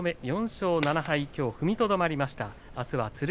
４勝７敗と踏みとどまりました。